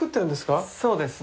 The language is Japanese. そうですね。